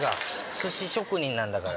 寿司職人なんだから。